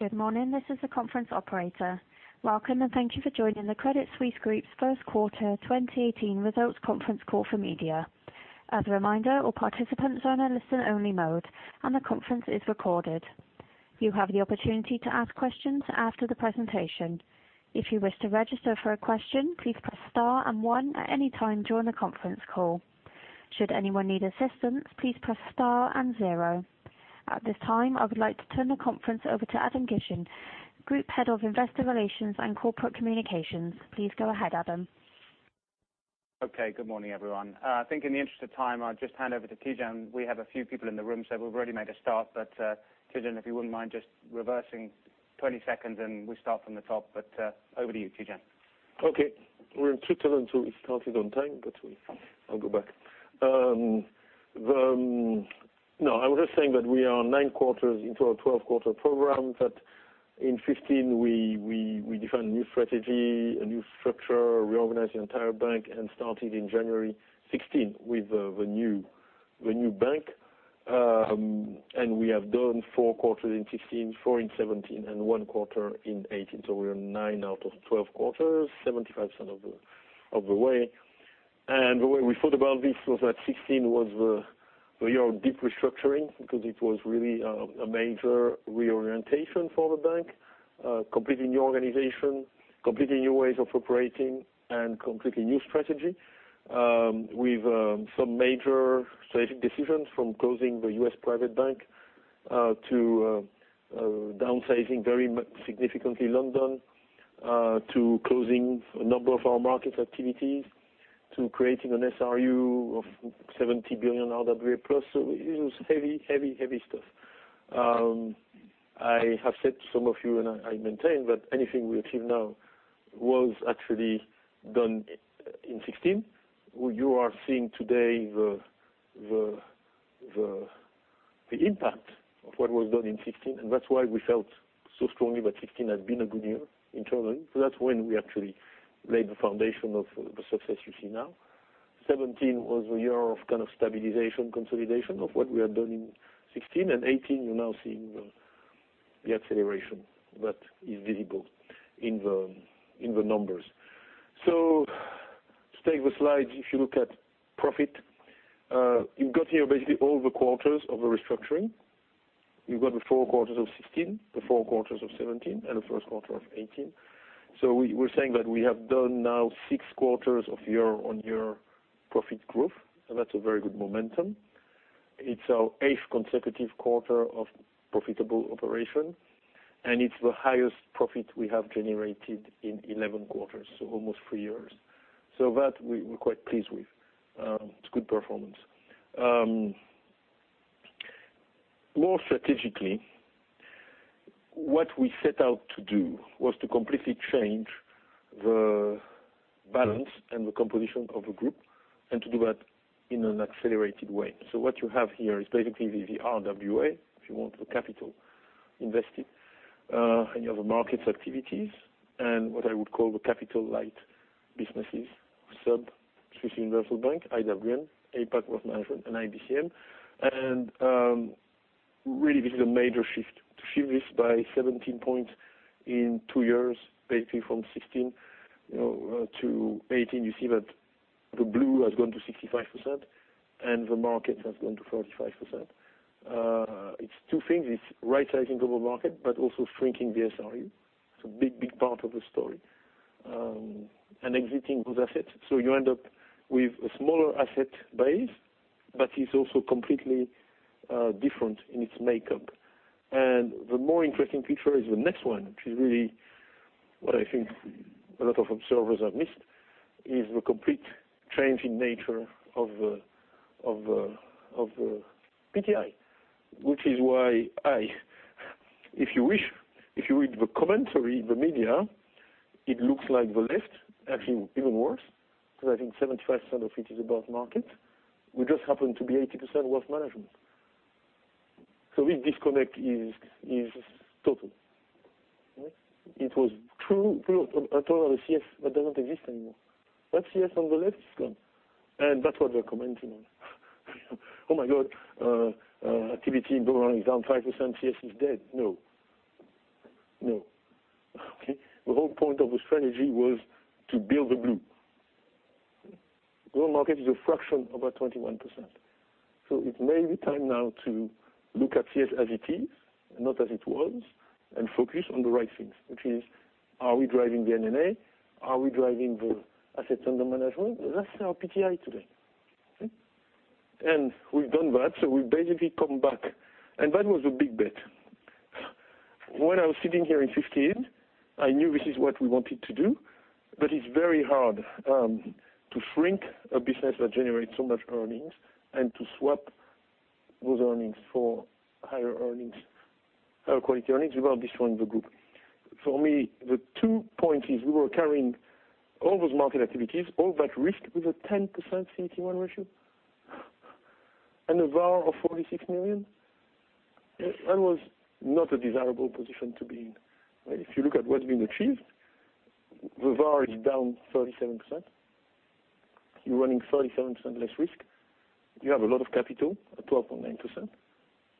Good morning. This is the conference operator. Welcome, and thank you for joining the Credit Suisse Group's first quarter 2018 Results Conference Call for Media. As a reminder, all participants are on a listen-only mode, and the conference is recorded. You have the opportunity to ask questions after the presentation. If you wish to register for a question, please press star and one at any time during the conference call. Should anyone need assistance, please press star and zero. At this time, I would like to turn the conference over to Adam Gishen, Group Head of Investor Relations and Corporate Communications. Please go ahead, Adam. Good morning, everyone. I think in the interest of time, I'll just hand over to Tidjane. We have a few people in the room, we've already made a start. Tidjane, if you wouldn't mind just reversing 20 seconds, we start from the top. Over to you, Tidjane. We're in 2002, we started on time, I'll go back. I was just saying that we are nine quarters into our 12-quarter program. In 2015, we defined a new strategy, a new structure, reorganized the entire bank, and started in January 2016 with the new bank. We have done four quarters in 2016, four in 2017, and one quarter in 2018. We are nine out of 12 quarters, 75% of the way. The way we thought about this was that 2016 was the year of deep restructuring, because it was really a major reorientation for the bank. A completely new organization, completely new ways of operating, and completely new strategy. With some major strategic decisions, from closing the U.S. private bank, to downsizing very significantly London, to closing a number of our market activities, to creating an SRU of 70 billion RWA plus. It was heavy stuff. I have said to some of you, I maintain, that anything we achieve now was actually done in 2016, where you are seeing today the impact of what was done in 2016. That's why we felt so strongly that 2016 had been a good year internally, because that's when we actually laid the foundation of the success you see now. 2017 was a year of kind of stabilization, consolidation of what we had done in 2016. 2018, you're now seeing the acceleration that is visible in the numbers. To take the slide, if you look at profit, you've got here basically all the quarters of the restructuring. You've got the four quarters of 2016, the four quarters of 2017, and the first quarter of 2018. We're saying that we have done now 6 quarters of year-on-year profit growth, and that's a very good momentum. It's our 8th consecutive quarter of profitable operation, and it's the highest profit we have generated in 11 quarters, so almost 3 years. That we're quite pleased with. It's good performance. More strategically, what we set out to do was to completely change the balance and the composition of the group, and to do that in an accelerated way. What you have here is basically the RWA, if you want, the capital invested. You have the Global Markets activities and what I would call the capital-light businesses, SUB, Swiss Universal Bank, IWM, APAC Wealth Management, and IBCM. Really, this is a major shift to shift this by 17 points in 2 years, basically from 2016 to 2018. You see that the blue has gone to 65%, and the Global Markets has gone to 35%. It's two things. It's right-sizing Global Markets, but also shrinking the SRU. It's a big part of the story. Exiting good assets. You end up with a smaller asset base, but it's also completely different in its makeup. The more interesting picture is the next one, which is really what I think a lot of observers have missed, is the complete change in nature of the PTI. Which is why I, if you wish, if you read the commentary, the media, it looks like the left, actually even worse, because I think 75% of it is about Global Markets. We just happen to be 80% wealth management. This disconnect is total. It was true at all of the Credit Suisse, but does not exist anymore. That Credit Suisse on the left is gone, and that's what they're commenting on. "Oh my God, activity in Global Markets is down 5%, Credit Suisse is dead." No. Okay. The whole point of the strategy was to build the blue. Okay. Global Markets is a fraction, about 21%. It may be time now to look at Credit Suisse as it is, and not as it was, and focus on the right things, which is, are we driving the NNA? Are we driving the assets under management? That's our PTI today. Okay. We've done that, so we basically come back. That was a big bet. When I was sitting here in 2015, I knew this is what we wanted to do, but it's very hard to shrink a business that generates so much earnings and to swap those earnings for higher quality earnings without destroying the group. For me, the two points is we were carrying all those Global Markets activities, all that risk with a 10% CET1 ratio, and a VaR of $46 million. That was not a desirable position to be in. If you look at what's been achieved, the VaR is down 37%. You're running 37% less risk. You have a lot of capital at 12.9%,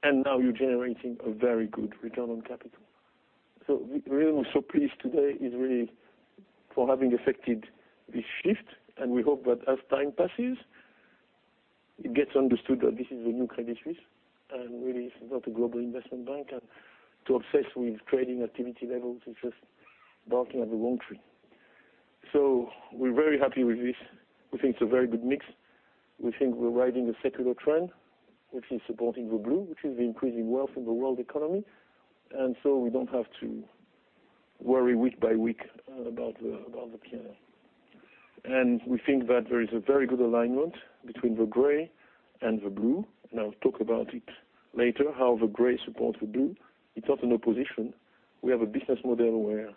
and now you're generating a very good return on capital. The reason we're so pleased today is really for having effected this shift, and we hope that as time passes, it gets understood that this is the new Credit Suisse, really, this is not a global investment bank, and to obsess with trading activity levels is just barking up the wrong tree. We're very happy with this. We think it's a very good mix. We think we're riding a secular trend, which is supporting the blue, which is the increasing wealth in the world economy. We don't have to worry week by week about the P&L. We think that there is a very good alignment between the gray and the blue. I'll talk about it later, how the gray supports the blue. It's not an opposition. We have a business model where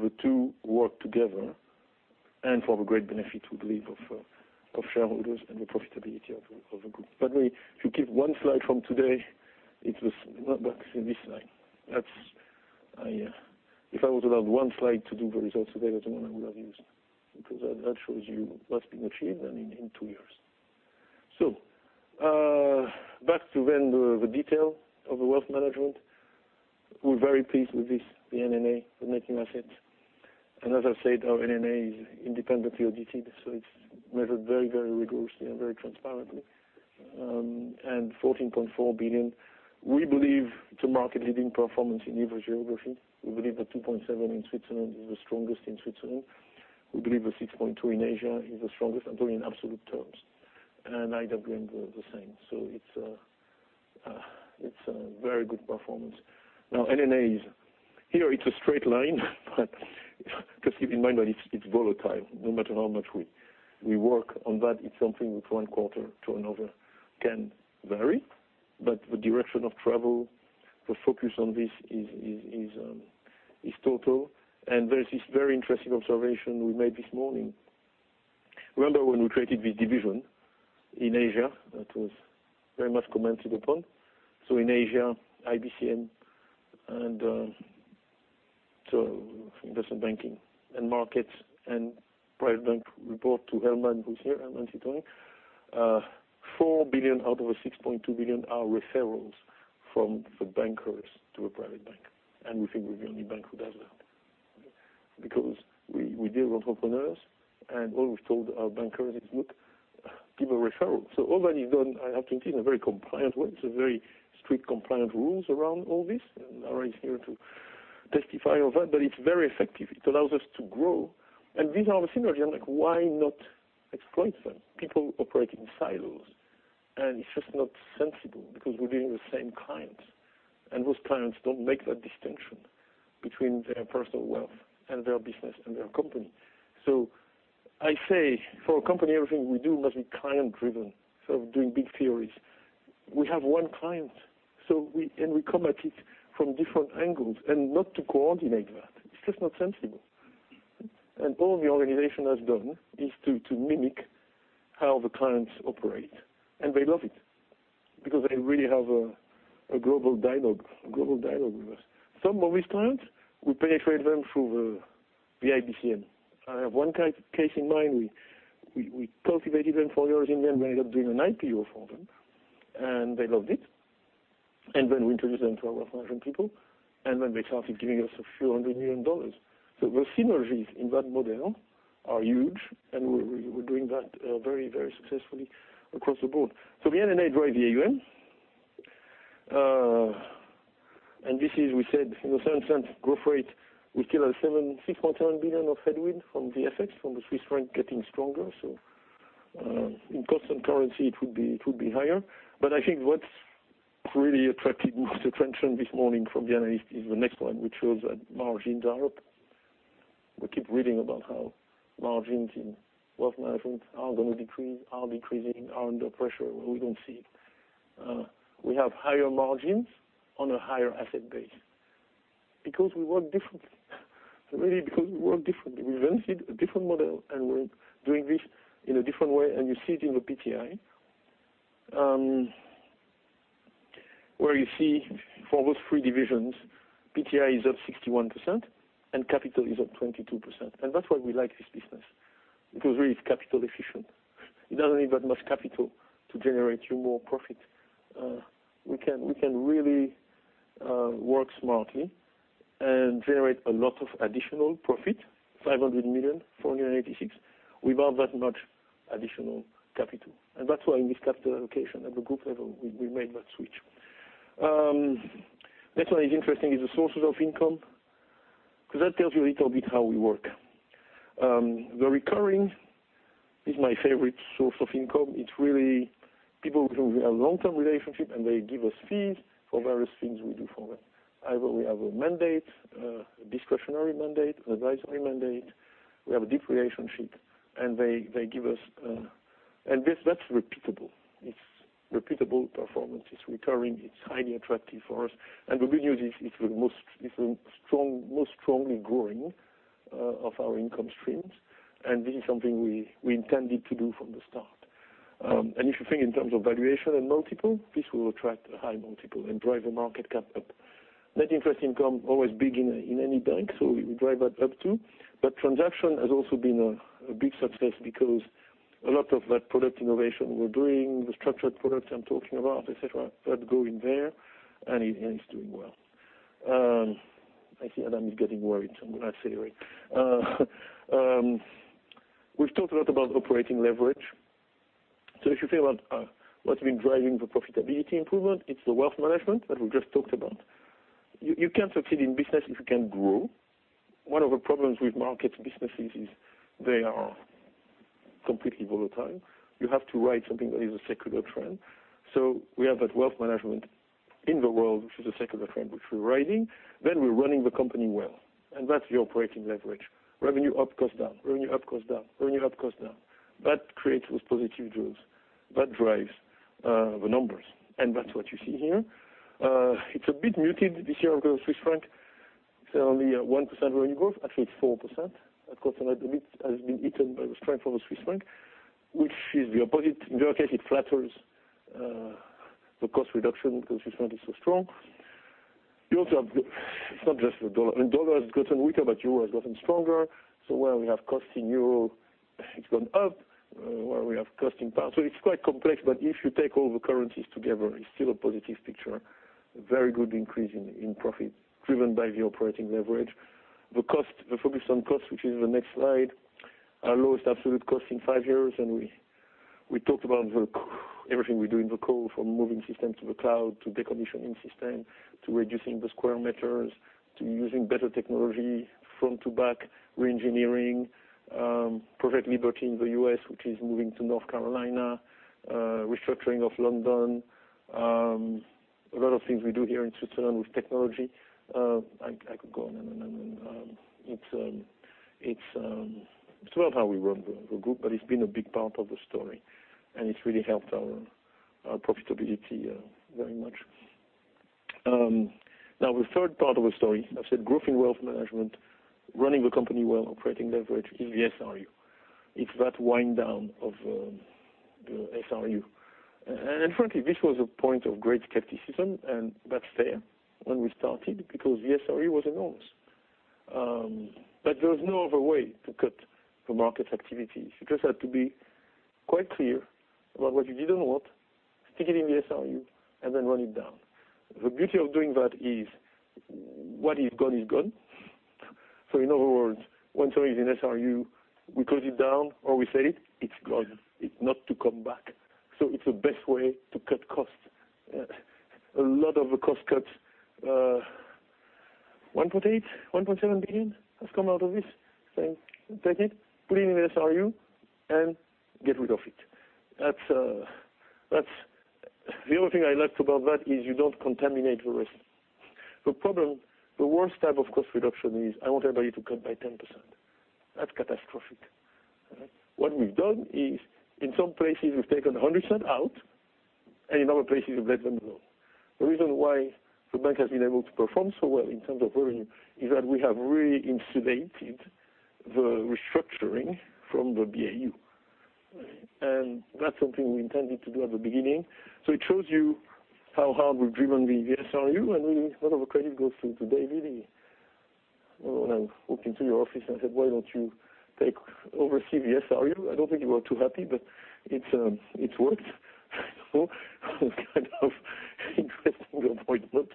the two work together, and for the great benefit, we believe, of shareholders and the profitability of the group. By the way, if you keep one slide from today, it was this slide. If I was allowed one slide to do the results today, that's the one I would have used, because that shows you what's been achieved in 2 years. Back to then the detail of the wealth management. We're very pleased with this, the NNA, the net new assets. As I said, our NNA is independently audited. It's measured very rigorously and very transparently. 14.4 billion, we believe it's a market-leading performance in every geography. We believe that 2.7 in Switzerland is the strongest in Switzerland. We believe the 6.2 in Asia is the strongest, I'm talking in absolute terms, and IWM, the same. It's a very good performance. NNAs, here it's a straight line but just keep in mind that it's volatile. No matter how much we work on that, it's something which 1 quarter to another can vary, but the direction of travel, the focus on this is total. There is this very interesting observation we made this morning. Remember when we created this division in Asia, that was very much commented upon. In Asia, IBCM and Investment Banking & Markets and private bank report to Helman, who's here, Helman Sitohang. 4 billion out of the 6.2 billion are referrals from the bankers to a private bank. We think we're the only bank who does that. Because we deal with entrepreneurs, and all we've told our bankers is, "Look, give a referral." Helman, he's done, I have to say, in a very compliant way. There's very strict compliant rules around all this, and Iqbal is here to testify over it, but it's very effective. It allows us to grow. These are the synergies. I'm like, "Why not exploit them?" People operate in silos, and it's just not sensible because we're dealing with the same clients. Those clients don't make that distinction between their personal wealth and their business and their company. I say, for a company, everything we do must be client-driven. Instead of doing big theories, we have 1 client. We come at it from different angles. Not to coordinate that, it's just not sensible. All the organization has done is to mimic how the clients operate. They love it because they really have a global dialogue with us. Some of these clients, we penetrate them through the IBCM. I have 1 case in mind. We cultivated them for years. We ended up doing an IPO for them. They loved it. We introduced them to our wealth management people. They started giving us a few hundred million CHF. The synergies in that model are huge. We're doing that very successfully across the board. The NNA drive the AUM. This is, we said, in a certain sense, growth rate will kill our 6.7 billion of headwind from the FX, from the Swiss franc getting stronger. In constant currency, it would be higher. I think what's really attracted most attention this morning from the analysts is the next one, which shows that margins are up. We keep reading about how margins in wealth management are going to decrease, are decreasing, are under pressure. Well, we don't see it. We have higher margins on a higher asset base because we work differently. Really, because we work differently. We invented a different model, and we're doing this in a different way, and you see it in the PTI, where you see for those three divisions, PTI is up 61% and capital is up 22%. That's why we like this business, because really, it's capital efficient. It doesn't need that much capital to generate you more profit. We can really work smartly and generate a lot of additional profit, 500 million, 486, without that much additional capital. That's why in this capital allocation at the group level, we made that switch. Next one is interesting, is the sources of income, because that tells you a little bit how we work. The recurring is my favorite source of income. It's really people who we have long-term relationship, and they give us fees for various things we do for them. Either we have a mandate, a discretionary mandate, an advisory mandate. We have a deep relationship, and they give us. That's repeatable. It's repeatable performance. It's recurring. It's highly attractive for us. The good news is, it's the most strongly growing of our income streams, and this is something we intended to do from the start. If you think in terms of valuation and multiple, this will attract a high multiple and drive the market cap up. Net interest income, always big in any bank, we drive that up too. Transaction has also been a big success because a lot of that product innovation we're doing, the structured products I'm talking about, et cetera, that go in there, and it's doing well. I see Adam is getting worried, I'm going to accelerate. We've talked a lot about operating leverage. If you think about what's been driving the profitability improvement, it's the wealth management that we just talked about. You can't succeed in business if you can't grow. One of the problems with markets businesses is they are completely volatile. You have to ride something that is a secular trend. We have that wealth management in the world, which is a secular trend, which we're riding. We're running the company well, and that's the operating leverage. Revenue up, cost down, revenue up, cost down, revenue up, cost down. That creates those positive drills. That drives the numbers. That's what you see here. It's a bit muted this year because of the Swiss franc. It's only 1% revenue growth, actually it's 4%. Of course, a little bit has been eaten by the strength of the Swiss franc, which is the opposite. In your case, it flatters the cost reduction because Swiss franc is so strong. It's not just the U.S. dollar. U.S. dollar has gotten weaker, euro has gotten stronger. Where we have costs in EUR, it's gone up, where we have costs in GBP. It's quite complex, but if you take all the currencies together, it's still a positive picture. A very good increase in profit, driven by the operating leverage. The focus on cost, which is the next slide, our lowest absolute cost in five years. We talked about everything we do in the call, from moving systems to the cloud, to decommissioning system, to reducing the sq m, to using better technology, front to back, re-engineering, Project Liberty in the U.S., which is moving to North Carolina, restructuring of London. A lot of things we do here in Switzerland with technology. I could go on and on and on. It's not how we run the Group, but it's been a big part of the story, and it's really helped our profitability very much. The third part of the story, I said growth in wealth management, running the company well, operating leverage in the SRU. It's that wind down of the SRU. Frankly, this was a point of great skepticism, and that's fair when we started, because the SRU was enormous. There was no other way to cut the market activity. You just had to be quite clear about what you didn't want, stick it in the SRU, and then run it down. The beauty of doing that is what is gone is gone. In other words, once something is in SRU, we close it down or we sell it's gone. It's not to come back. It's the best way to cut costs. A lot of the cost cuts, 1.8 billion, 1.7 billion has come out of this. Saying, take it, put it in the SRU, and get rid of it. The other thing I liked about that is you don't contaminate the rest. The worst type of cost reduction is, I want everybody to cut by 10%. That's catastrophic. What we've done is, in some places, we've taken 100% out, and in other places, we've let them grow. The reason why the bank has been able to perform so well in terms of revenue is that we have really insulated the restructuring from the BAU. That's something we intended to do at the beginning. It shows you how hard we've driven the SRU, and a lot of the credit goes to David. When I walked into your office and said, "Why don't you take over SRU?" I don't think you were too happy, but it's worked. It was kind of interesting appointment,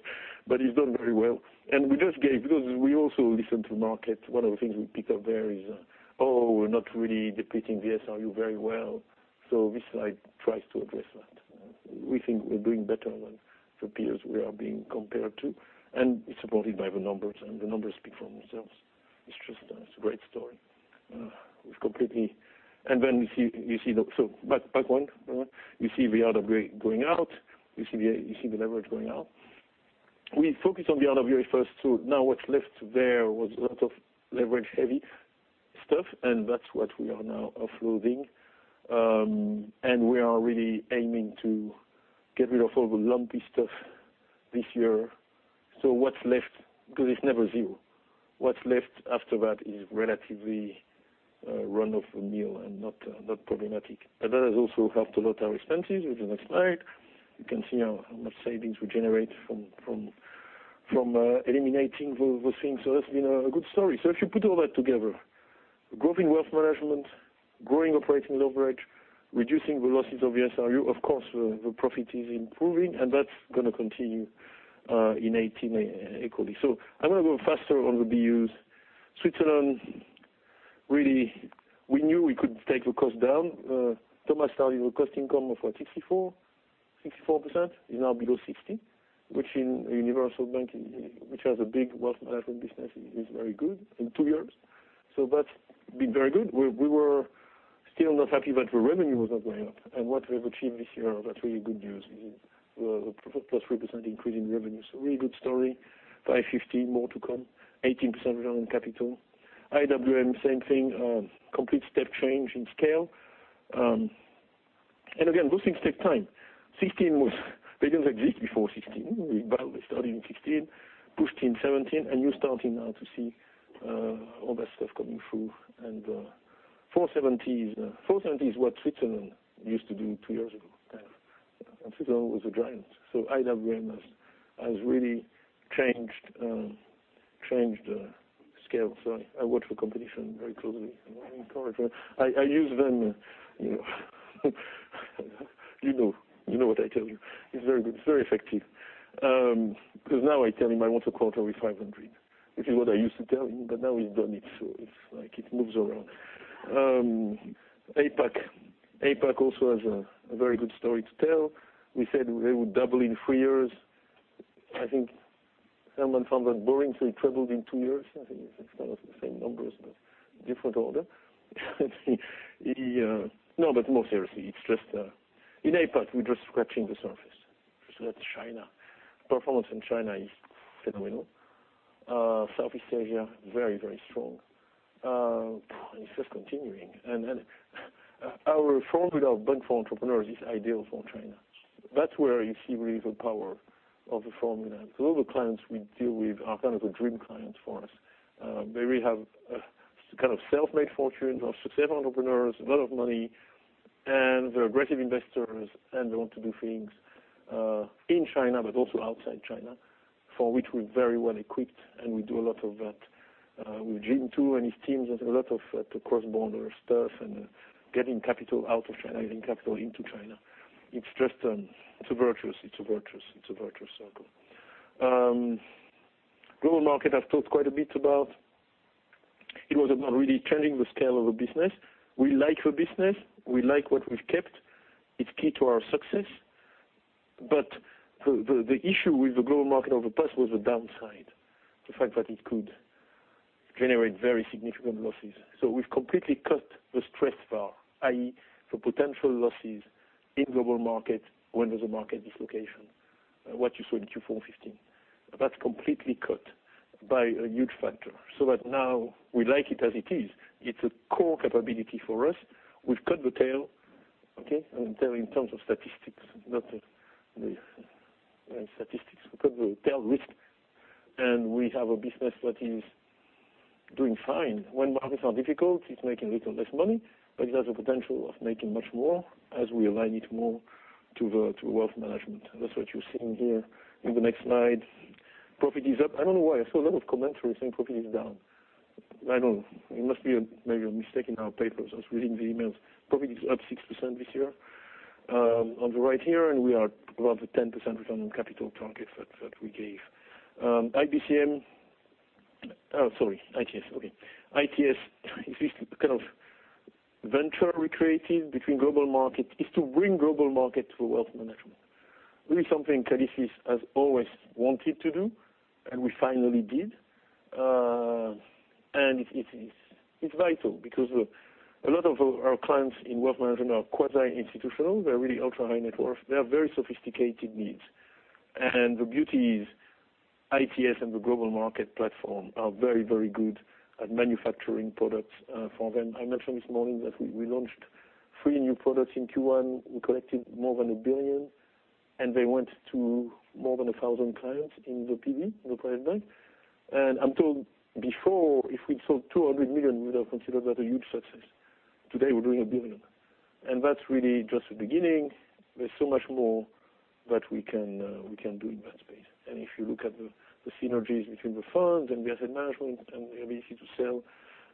but he's done very well. We also listen to market. One of the things we picked up there is, oh, we're not really depleting the SRU very well. This slide tries to address that. We think we're doing better than the peers we are being compared to, and it's supported by the numbers, and the numbers speak for themselves. It's just a great story. Back one. You see the RWA going out. You see the leverage going out. We focus on the RWA first too. What's left there was a lot of leverage-heavy stuff, and that's what we are now offloading. We are really aiming to get rid of all the lumpy stuff this year. What's left, because it's never zero. What's left after that is relatively run-of-the-mill and not problematic. That has also helped a lot our expenses, which is the next slide. You can see now how much savings we generate from eliminating those things. That's been a good story. If you put all that together, growth in wealth management, growing operating leverage, reducing the losses of the SRU, of course, the profit is improving, and that's going to continue in 2018 equally. I'm going to go faster on the BUs. Switzerland, really, we knew we could take the cost down. Thomas started with cost income of what, 64%? Is now below 60, which in a universal bank, which has a big wealth management business, is very good in two years. That's been very good. We were still not happy that the revenue was not going up. What we have achieved this year, that's really good news. Plus 3% increase in revenue. Really good story. 515 more to come, 18% return on capital. IWM, same thing, complete step change in scale. Again, those things take time. They didn't exist before 2016. We barely started in 2016, pushed in 2017, and you're starting now to see all that stuff coming through, and the 470 is what Switzerland used to do two years ago. CET1 was a giant. Iqbal Khan has really changed the scale. I watch the competition very closely. I encourage them. I use them, you know what I tell you. It's very good. It's very effective. Because now I tell him I want a quarter with 500, which is what I used to tell him, but now he's done it, so it moves around. APAC also has a very good story to tell. We said they would double in three years. I think someone found that boring, so he tripled in two years. I think it's close to the same numbers, but different order. More seriously, in APAC, we're just scratching the surface. That's China. Performance in China is phenomenal. Southeast Asia, very strong. It's just continuing. Our formula of bank for entrepreneurs is ideal for China. That's where you see really the power of the formula, because all the clients we deal with are kind of a dream client for us. They really have a kind of self-made fortunes or successful entrepreneurs, a lot of money, and they're aggressive investors and they want to do things, in China, but also outside China, for which we're very well-equipped, and we do a lot of that. With Jim too and his teams, there's a lot of cross-border stuff and getting capital out of China and getting capital into China. It's a virtuous circle. Global Markets, I've talked quite a bit about. It was about really changing the scale of a business. We like the business. We like what we've kept. It's key to our success. The issue with the Global Markets over the past was the downside. The fact that it could generate very significant losses. We've completely cut the stress bar, i.e., the potential losses in Global Markets when there's a market dislocation. What you saw in Q4 2015. That's completely cut by a huge factor, so that now we like it as it is. It's a core capability for us. We've cut the tail. Okay? I'm telling in terms of statistics, not the statistics, we cut the tail risk. We have a business that is doing fine. When markets are difficult, it's making a little less money, but it has the potential of making much more as we align it more to wealth management. That's what you're seeing here in the next slide. Profit is up. I don't know why. I saw a lot of commentary saying profit is down. I don't know. It must be maybe a mistake in our papers. I was reading the emails. Profit is up 6% this year, on the right here, and we are above the 10% return on capital target that we gave. IBCM. Oh, sorry. ITS. Okay. ITS, it's this kind of venture we created between Global Markets is to bring Global Markets to wealth management. Really something Calypso has always wanted to do, and we finally did. It's vital because a lot of our clients in wealth management are quasi-institutional. They're really ultra-high net worth. They have very sophisticated needs. The beauty is ITS and the Global Markets platform are very good at manufacturing products for them. I mentioned this morning that we launched three new products in Q1. We collected more than 1 billion, and they went to more than 1,000 clients in the PB, in the private bank. I'm told before, if we'd sold 200 million, we would have considered that a huge success. Today, we're doing 1 billion. That's really just the beginning. There's so much more that we can do in that space. If you look at the synergies between the funds and the asset management, and the ability to sell,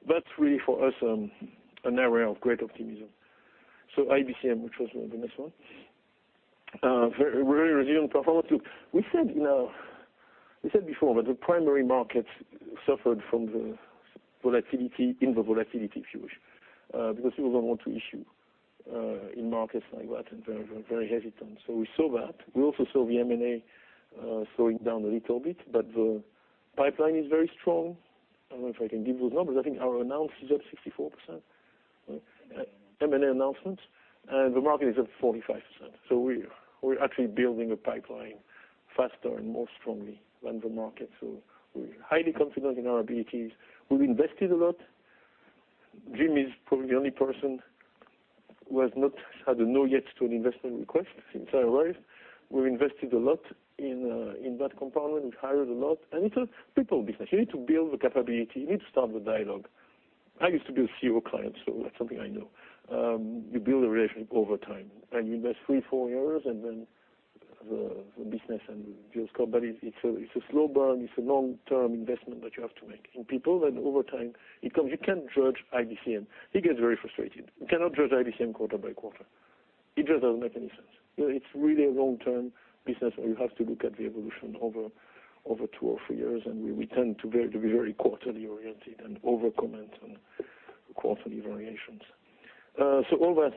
that's really, for us, an area of great optimism. IBCM, which was the next one. Very resilient performance. Look, we said before that the primary markets suffered from the volatility in the volatility explosion, because people don't want to issue in markets like that and they're very hesitant. We saw that. We also saw the M&A slowing down a little bit, the pipeline is very strong. I don't know if I can give those numbers. I think our announce is up 64%, right? M&A announcements. The market is up 45%. We're actually building a pipeline faster and more strongly than the market. We're highly confident in our abilities. We've invested a lot. Jim is probably the only person who has not had a no yet to an investment request since I arrived. We've invested a lot in that component. We've hired a lot. It's a people business. You need to build the capability. You need to start the dialogue. I used to be a CEO client, That's something I know. You build a relationship over time, you invest three, four years, the business and deals come. It's a slow burn. It's a long-term investment that you have to make in people, over time, it comes. You can't judge IBCM. He gets very frustrated. You cannot judge IBCM quarter by quarter. It just doesn't make any sense. It's really a long-term business where you have to look at the evolution over two or three years, We tend to be very quarterly oriented and over-comment on quarterly variations. All that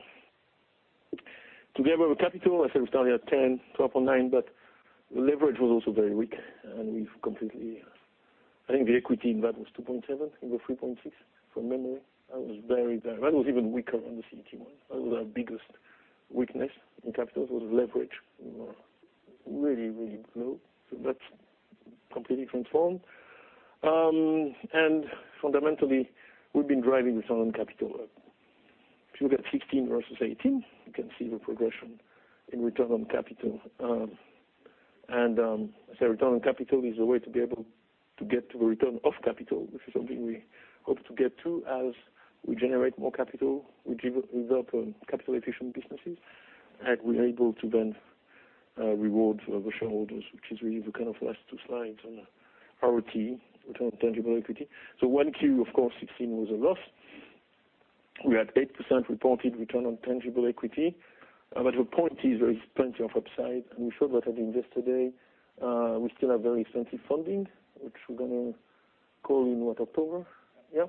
together with capital, I said we started at 10, 12.9, The leverage was also very weak, we've completely I think the equity in that was 2.7, it was 3.6 from memory. That was very down. That was even weaker than the CET1. That was our biggest weakness in capitals, was leverage. Really low. That's completely transformed. Fundamentally, we've been driving return on capital up. If you look at 2016 versus 2018, you can see the progression in return on capital. Say return on capital is a way to be able to get to a return of capital. This is something we hope to get to as we generate more capital, we develop capital-efficient businesses, and we are able to then reward the shareholders, which is really the last two slides on ROT, return on tangible equity. 1Q, of course, 2016 was a loss. We had 8% reported return on tangible equity. The point is there is plenty of upside, and we showed that at Investor Day. We still have very expensive funding, which we're going to call in what October? Yeah.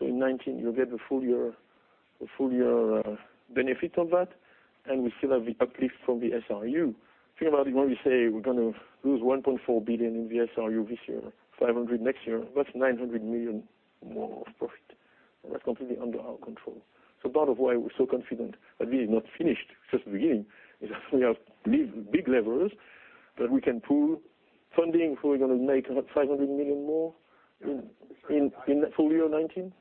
In 2019, you'll get the full year benefit of that, and we still have the uplift from the SRU. Think about it when we say we're going to lose 1.4 billion in the SRU this year, 500 million next year, that's 900 million more of profit. That's completely under our control. Part of why we're so confident that we are not finished, it's just the beginning, is that we have big levers that we can pull. Funding, we're going to make about 500 million more in full year 2019? We would expect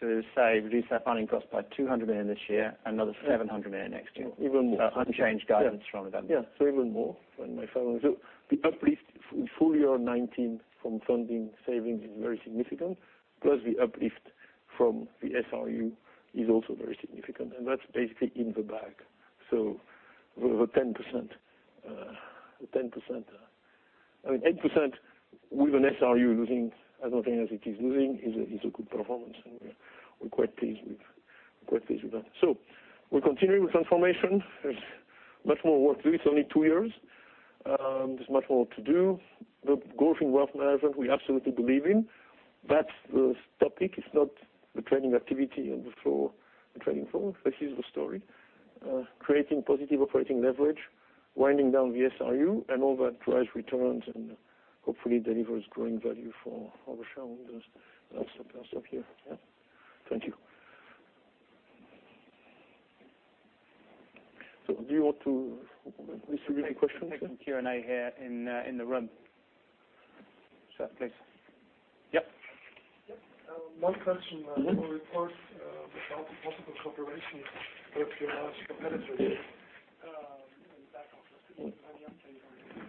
to reduce our funding cost by 200 million this year, another 700 million next year. Even more. Unchanged guidance from them. Yeah. Even more than my fellow. The uplift full year 2019 from funding savings is very significant. Plus, the uplift from the SRU is also very significant, and that's basically in the bag. The 10%. I mean, 8% with an SRU losing as much as it is losing is a good performance, and we're quite pleased with that. We're continuing with transformation. There's much more work to do. It's only two years. There's much more to do. The growth in wealth management, we absolutely believe in. That's the topic. It's not the trading activity on the trading floor. That is the story. Creating positive operating leverage, winding down the SRU, and all that drives returns and hopefully delivers growing value for all the shareholders. I'll stop here. Yeah. Thank you. Do you want to distribute any questions? We'll take some Q&A here in the room. Sir, please. Yep. Yep. One question. Your report about the possible cooperation with your largest competitor. Is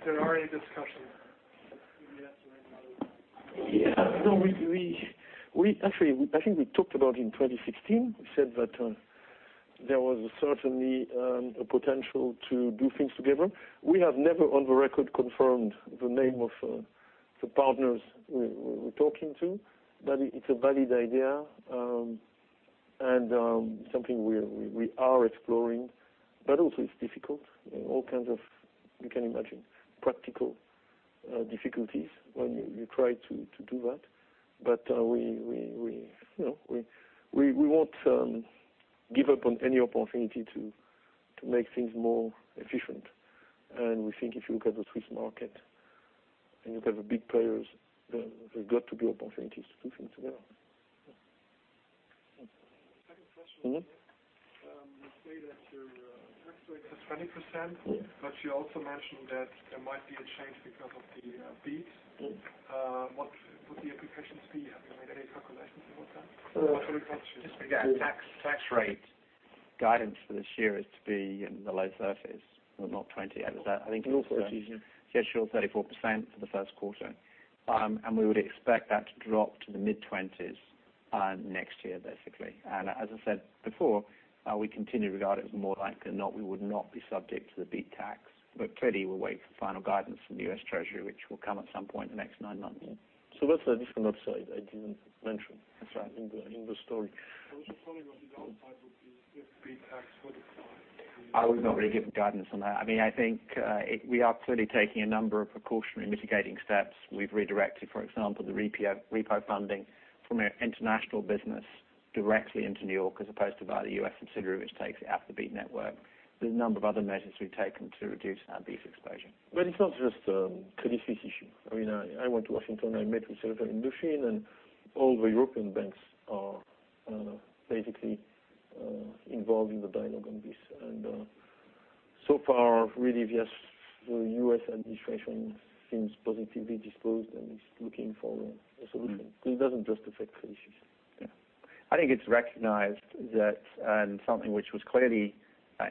there already a discussion with UBS or any other? Yeah. No, actually, I think we talked about in 2016, we said that there was certainly a potential to do things together. We have never on the record confirmed the name of the partners we're talking to, but it's a valid idea, and something we are exploring, but also it's difficult. There are all kinds of, you can imagine, practical difficulties when you try to do that. We won't give up on any opportunity to make things more efficient. We think if you look at the Swiss market, and you look at the big players, there's got to be opportunities to do things together. Yeah. Second question. You say that your tax rate is 20%, but you also mentioned that there might be a change because of the BEAT. What would the implications be? Have you made any calculations about that? So- We get tax rate guidance for this year is to be in the low 30s, not 20. Full-year. Tax rate shows 34% for the first quarter. We would expect that to drop to the mid-20s next year, basically. As I said before, we continue to regard it as more likely than not we would not be subject to the BEAT tax. Clearly, we'll wait for final guidance from the U.S. Treasury, which will come at some point in the next nine months. That's a different upside. That's right in the story. following up on the downside with the BEAT tax, what are the I would not really give guidance on that. I think we are clearly taking a number of precautionary mitigating steps. We've redirected, for example, the repo funding from our international business directly into New York as opposed to via the U.S. subsidiary, which takes it out of the BEAT network. There's a number of other measures we've taken to reduce our BEAT exposure. It's not just a Credit Suisse issue. I went to Washington, I met with Steven Mnuchin. All the European banks are basically involved in the dialogue on this. So far, really, the U.S. administration seems positively disposed and is looking for a solution. It doesn't just affect Credit Suisse. I think it's recognized that something which was clearly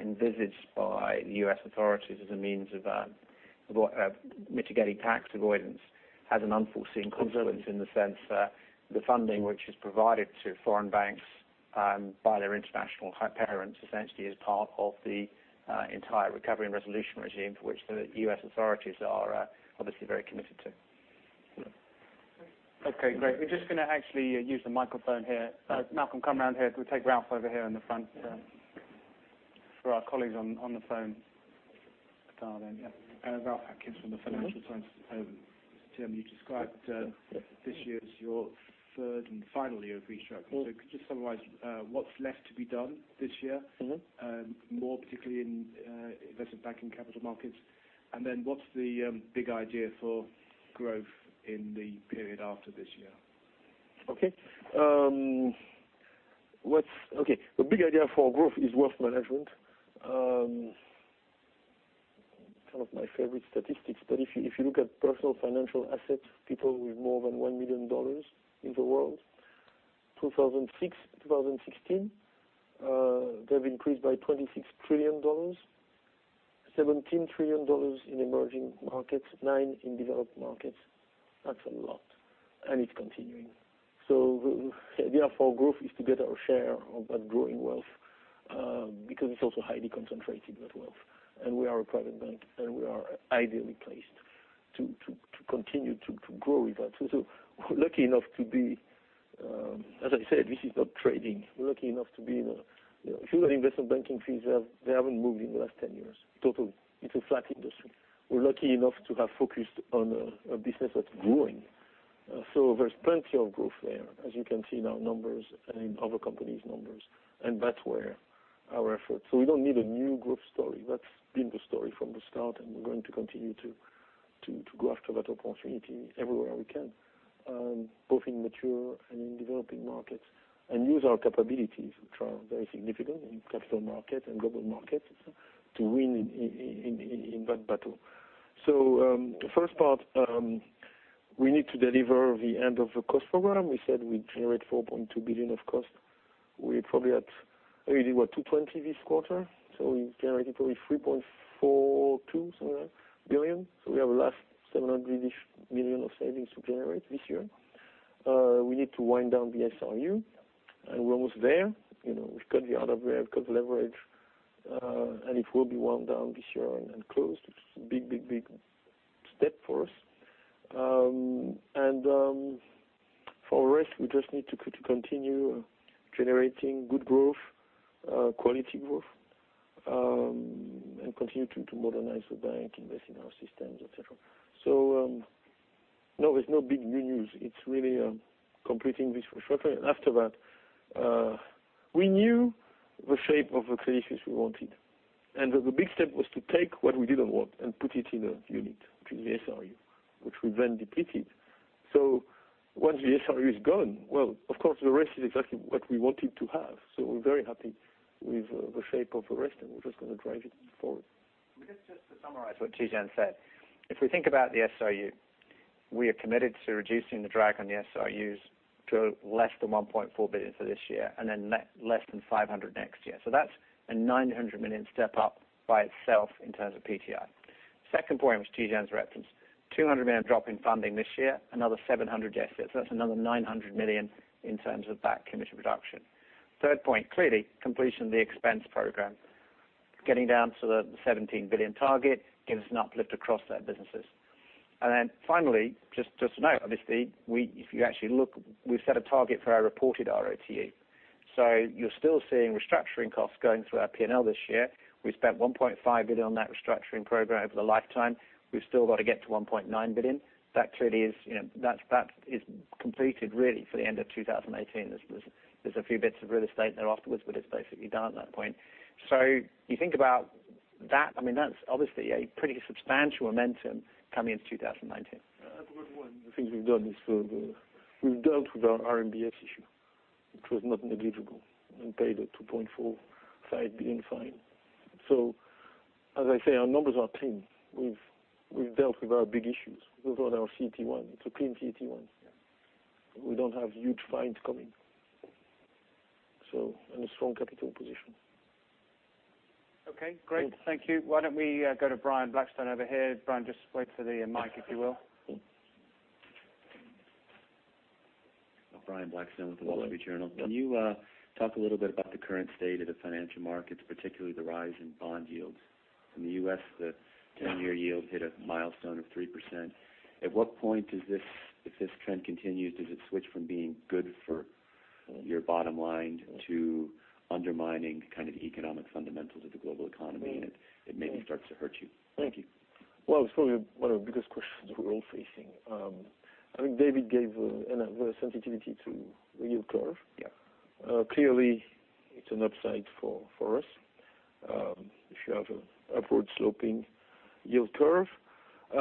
envisaged by the U.S. authorities as a means of mitigating tax avoidance has an unforeseen consequence in the sense that the funding which is provided to foreign banks by their international high parents, essentially is part of the entire recovery and resolution regime to which the U.S. authorities are obviously very committed to. Yeah. Okay, great. We're just going to actually use the microphone here. Malcolm, come around here. Could we take Ralph over here in the front for our colleagues on the phone? Ralph Atkins from The Financial Times. Tidjane Thiam, you described this year as your third and final year of restructuring. Could you summarize what's left to be done this year? More particularly in Investment Banking Capital Markets, what's the big idea for growth in the period after this year? The big idea for growth is wealth management. Kind of my favorite statistics, if you look at personal financial assets, people with more than CHF 1 million in the world- 2006, 2016, they've increased by CHF 26 trillion, CHF 17 trillion in emerging markets, nine in developed markets. That's a lot, and it's continuing. The idea for growth is to get our share of that growing wealth, because it's also highly concentrated, that wealth. We are a private bank, and we are ideally placed to continue to grow with that. We're lucky enough to be As I said, this is not trading. If you look at investment banking fees, they haven't moved in the last 10 years, totally. It's a flat industry. We're lucky enough to have focused on a business that's growing. There's plenty of growth there, as you can see in our numbers and in other companies' numbers. We don't need a new growth story. That's been the story from the start, and we're going to continue to go after that opportunity everywhere we can, both in mature and in developing markets, and use our capabilities, which are very significant in capital market and Global Markets, to win in that battle. The first part, we need to deliver the end of the cost program. We said we'd generate 4.2 billion of cost. We did what, 220 million this quarter, we generated probably 3.42, somewhere, billion. We have a last 700-ish million of savings to generate this year. We need to wind down the SRU, we're almost there. We've cut the other way, we've cut leverage, and it will be wound down this year and closed, which is a big step for us. For the rest, we just need to continue generating good growth, quality growth, and continue to modernize the bank, invest in our systems, et cetera. No, there's no big new news. It's really completing this for sure. After that, we knew the shape of the Credit Suisse we wanted. The big step was to take what we didn't want and put it in a unit, which is the SRU, which we then depleted. Once the SRU is gone, well, of course, the rest is exactly what we wanted to have. We're very happy with the shape of the rest, and we're just going to drive it forward. Just to summarize what Tidjane said, if we think about the SRU, we are committed to reducing the drag on the SRUs to less than 1.4 billion for this year, then less than 500 million next year. That's a 900 million step up by itself in terms of PTI. Second point, which Tidjane referenced, 200 million drop in funding this year, another 700 million next year. That's another 900 million in terms of that committed reduction. Third point, clearly, completion of the expense program. Getting down to the 17 billion target gives an uplift across their businesses. Then finally, just to note, obviously, if you actually look, we've set a target for our reported ROTE. You're still seeing restructuring costs going through our P&L this year. We've spent 1.5 billion on that restructuring program over the lifetime. We've still got to get to 1.9 billion. That is completed really for the end of 2018. There's a few bits of real estate there afterwards, but it's basically done at that point. You think about that's obviously a pretty substantial momentum coming into 2019. I've got one. The things we've done is we've dealt with our RMBS issue, which was not negligible, and paid a 2.45 billion fine. As I say, our numbers are clean. We've dealt with our big issues. We've run our CET1. It's a clean CET1. Yeah. We don't have huge fines coming, and a strong capital position. Okay, great. Thank you. Why don't we go to Brian Blackstone over here? Brian, just wait for the mic, if you will. Brian Blackstone with The Wall Street Journal. Hello. Can you talk a little bit about the current state of the financial markets, particularly the rise in bond yields? In the U.S., the 10-year yield hit a milestone of 3%. At what point, if this trend continues, does it switch from being good for your bottom line to undermining kind of economic fundamentals of the global economy, and it maybe starts to hurt you? Thank you. Well, it's probably one of the biggest questions we're all facing. I think David gave the sensitivity to the yield curve. Yeah. Clearly, it's an upside for us, if you have an upward-sloping yield curve.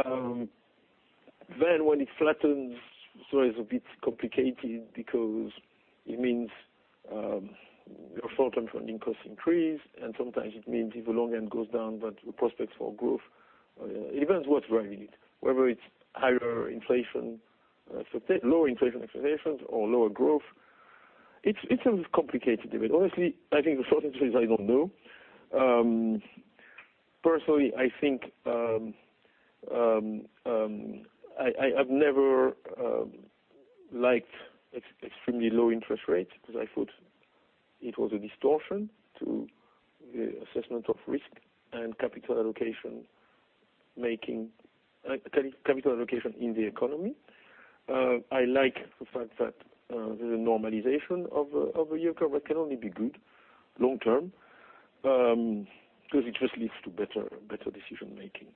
When it flattens, the story is a bit complicated because it means your short-term funding costs increase, and sometimes it means if the long end goes down, that the prospects for growth. It depends what's driving it, whether it's higher inflation, lower inflation expectations, or lower growth. It's a little complicated, David. Honestly, I think the short answer is I don't know. Personally, I think I've never liked extremely low interest rates because I thought it was a distortion to the assessment of risk and capital allocation in the economy. I like the fact that the normalization of a yield curve can only be good long term, because it just leads to better decision-making.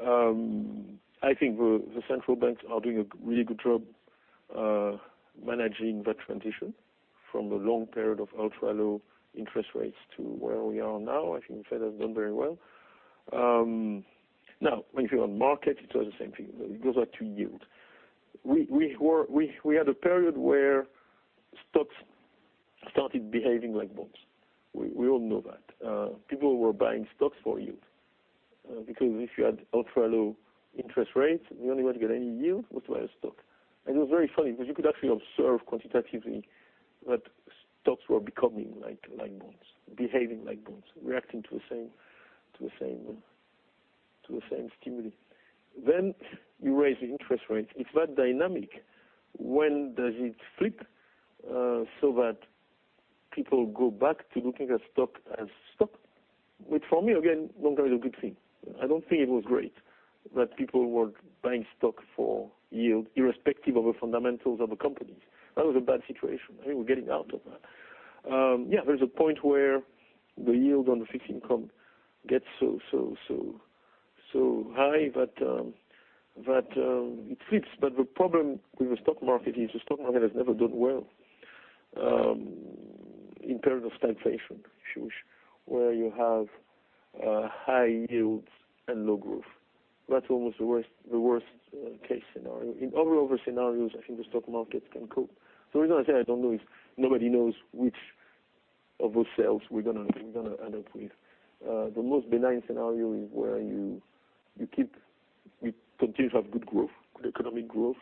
I think the central banks are doing a really good job managing that transition from a long period of ultra-low interest rates to where we are now. I think the Federal Reserve has done very well. If you're on market, it does the same thing. It goes back to yield. We had a period where stocks started behaving like bonds. We all know that. People were buying stocks for yield, because if you had ultra-low interest rates, the only way to get any yield was to buy a stock. It was very funny because you could actually observe quantitatively that stocks were becoming like bonds, behaving like bonds, reacting to the same stimuli. You raise the interest rates. It's that dynamic. When does it flip so that people go back to looking at stock as stock, which for me, again, long-term is a good thing. I don't think it was great that people were buying stock for yield, irrespective of the fundamentals of a company. That was a bad situation. I think we're getting out of that. Yeah, there's a point where the yield on the fixed income gets so high that it flips. The problem with the stock market is the stock market has never done well in periods of stagflation, where you have high yields and low growth. That's almost the worst-case scenario. In all other scenarios, I think the stock market can cope. The reason I say I don't know is nobody knows which of those selves we're going to end up with. The most benign scenario is where you continue to have good growth, good economic growth.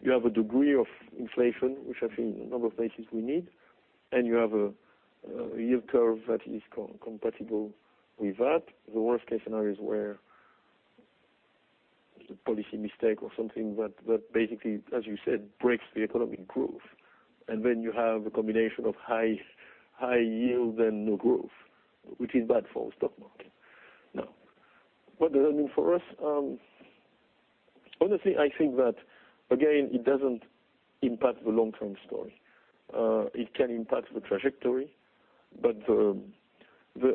You have a degree of inflation, which I think in a number of places we need, and you have a yield curve that is compatible with that. The worst case scenario is where there's a policy mistake or something that basically, as you said, breaks the economic growth. Then you have a combination of high yield and no growth, which is bad for the stock market. What does that mean for us? Honestly, I think that, again, it doesn't impact the long-term story. It can impact the trajectory, but the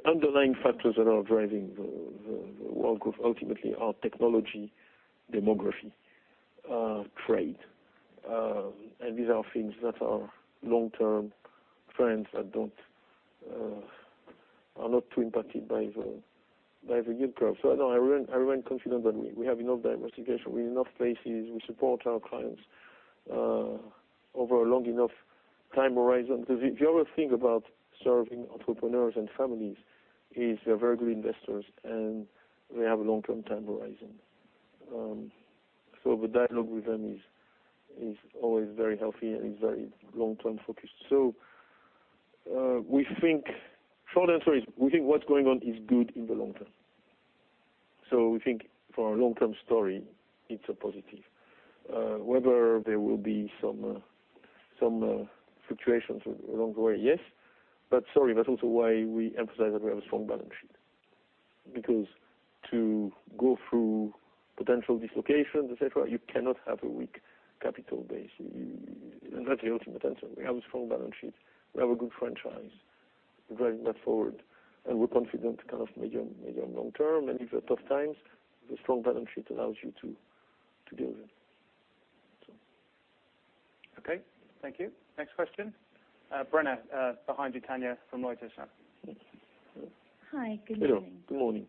underlying factors that are driving the world growth ultimately are technology, demography, trade. These are things that are long-term trends that are not too impacted by the yield curve. No, I remain confident that we have enough diversification. We have enough places. We support our clients over a long enough time horizon. The other thing about serving entrepreneurs and families is they are very good investors, and they have a long-term time horizon. The dialogue with them is always very healthy and is very long-term focused. Short answer is we think what's going on is good in the long term. We think for our long-term story, it's a positive. Whether there will be some fluctuations along the way, yes. Sorry, that's also why we emphasize that we have a strong balance sheet, because to go through potential dislocations, et cetera, you cannot have a weak capital base. That's the ultimate answer. We have a strong balance sheet. We have a good franchise. We're driving that forward, and we're confident medium, long term. If you have tough times, the strong balance sheet allows you to go there. Okay. Thank you. Next question. Brenna, behind you, Tanya from Reuters now. Hi, good evening. Hello. Good morning.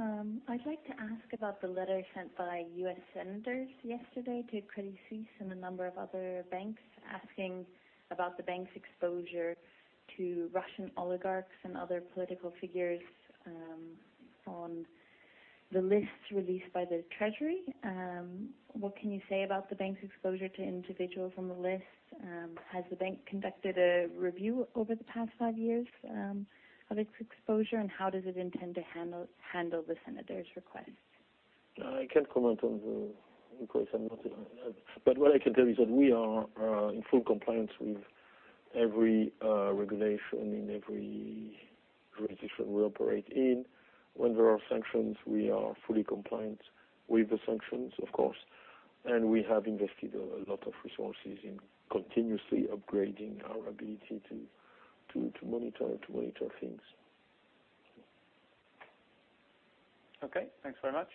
I'd like to ask about the letter sent by U.S. senators yesterday to Credit Suisse and a number of other banks asking about the bank's exposure to Russian oligarchs and other political figures on the list released by the Treasury. What can you say about the bank's exposure to individuals on the list? Has the bank conducted a review over the past five years of its exposure, and how does it intend to handle the senators' request? What I can tell you is that we are in full compliance with every regulation in every jurisdiction we operate in. When there are sanctions, we are fully compliant with the sanctions, of course, and we have invested a lot of resources in continuously upgrading our ability to monitor things. Okay. Thanks very much.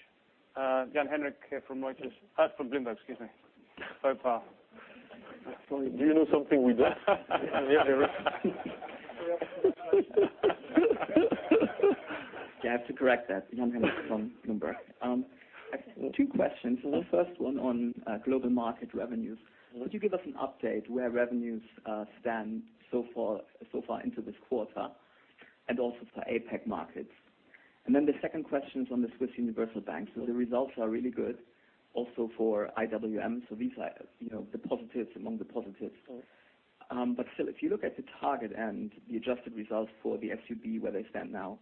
Jan Henrik here from Bloomberg, excuse me. Sorry. Do you know something we don't? Yeah. You have to correct that. Jan-Henrik from Bloomberg. Two questions. The first one on Global Markets revenues. Could you give us an update where revenues stand so far into this quarter and also for APAC markets? The second question is on the Swiss Universal Bank. The results are really good also for IWM. These are the positives among the positives. Sure. Still, if you look at the target and the adjusted results for the SUB where they stand now,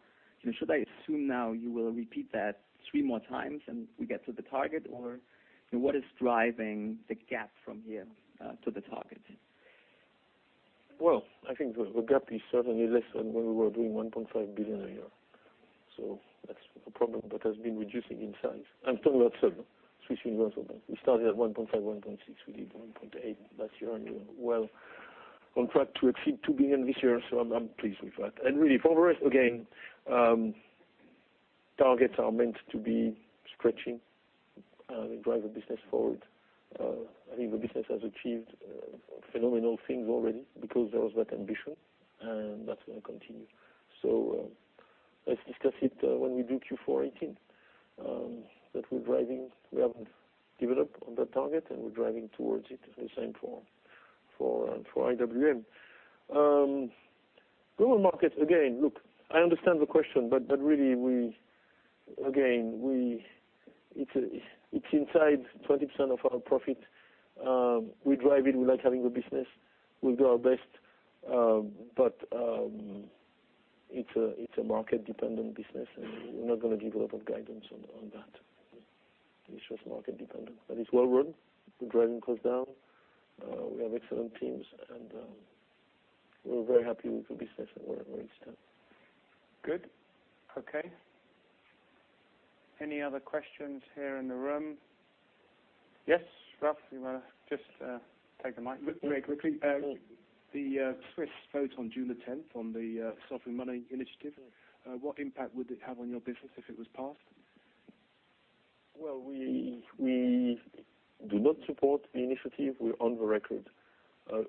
should I assume now you will repeat that three more times and we get to the target? Or what is driving the gap from here to the target? Well, I think the gap is certainly less than when we were doing 1.5 billion a year. That's a problem that has been reducing in size. I'm talking about SUB, Swiss Universal Bank. We started at 1.5, 1.6. We did 1.8 last year and we're well on track to exceed 2 billion this year. I'm pleased with that. Really for the rest, again, targets are meant to be stretching and drive the business forward. I think the business has achieved phenomenal things already because there was that ambition, and that's going to continue. Let's discuss it when we do Q4 2018. That we're driving, we haven't given up on that target, and we're driving towards it. The same for IWM. Global Markets, again, look, I understand the question, really, again, it's inside 20% of our profit. We drive it. We like having the business. We'll do our best. It's a market-dependent business. We're not going to give a lot of guidance on that. It's just market dependent. It's well run. We're driving costs down. We have excellent teams. We're very happy with the business and where it stands. Good. Okay. Any other questions here in the room? Yes, Ralph, you want to just take the mic? Very quickly. The Swiss vote on June the 10th on the Sovereign Money Initiative. What impact would it have on your business if it was passed? We do not support the initiative. We're on the record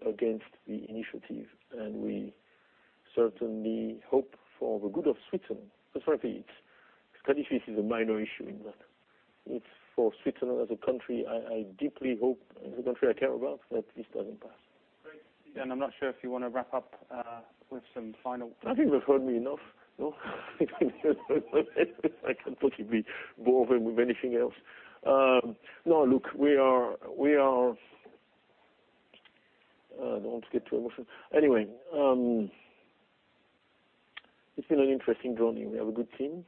against the initiative. We certainly hope for the good of Switzerland. Frankly, Credit Suisse is a minor issue in that. It's for Switzerland as a country, I deeply hope, as a country I care about, that this doesn't pass. Great. I'm not sure if you want to wrap up with some final comments. I think they've heard me enough. No? I can't possibly bore them with anything else. Look, I don't want to get too emotional. Anyway, it's been an interesting journey. We have a good team,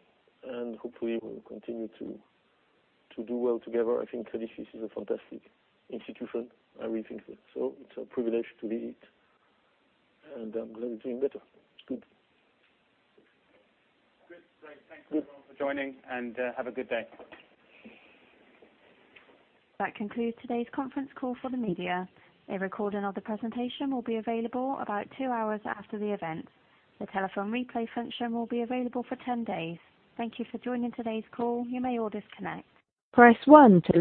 and hopefully we will continue to do well together. I think Credit Suisse is a fantastic institution. I really think so. It's a privilege to lead it, and I'm glad we're doing better. It's good. Good. Great. Thank you everyone for joining, and have a good day. That concludes today's conference call for the media. A recording of the presentation will be available about two hours after the event. The telephone replay function will be available for 10 days. Thank you for joining today's call. You may all disconnect. Press one to